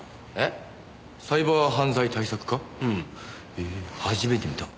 へえ初めて見た。